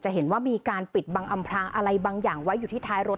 เห็นว่ามีการปิดบังอำพลางอะไรบางอย่างไว้อยู่ที่ท้ายรถ